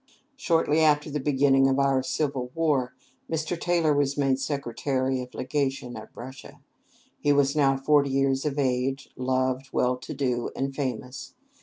Shortly after the beginning of our civil war, Mr. Taylor was made Secretary of Legation at Russia. He was now forty years of age, loved, well to do, and famous.